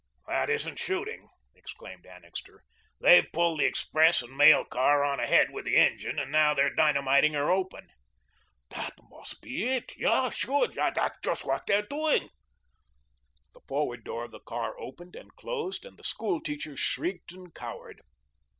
"That isn't shooting," exclaimed Annixter. "They've pulled the express and mail car on ahead with the engine and now they are dynamiting her open." "That must be it. Yes, sure, that's just what they are doing." The forward door of the car opened and closed and the school teachers shrieked and cowered.